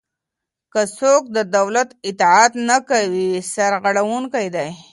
که څوک د دولت اطاعت نه کوي سرغړونکی دی.